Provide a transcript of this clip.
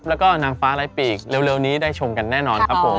แล้วก็นางฟ้าไร้ปีกเร็วนี้ได้ชมกันแน่นอนครับผม